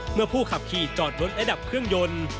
เมื่อผู้ขับขี่จอดรถและดับเครื่องยนต์